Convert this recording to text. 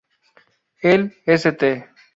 El ´´St.